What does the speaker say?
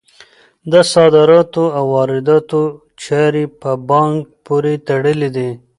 د صادراتو او وارداتو چارې په بانک پورې تړلي دي.